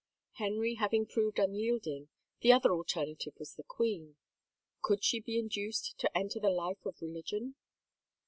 Henry having proved unyielding, the other alternative was the queen. Could she be induced to enter the life of religion